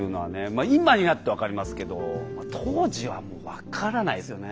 今になって分かりますけど当時はもう分からないですよね。